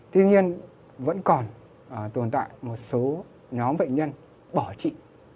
tuy nhiên vẫn còn tồn tại một số nhóm bệnh nhân bỏ trị